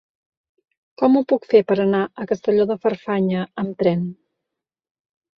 Com ho puc fer per anar a Castelló de Farfanya amb tren?